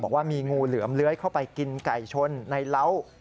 บอกว่ามีงูเหลือมเลื้อยเข้าไปกินไก่ชนในเล้า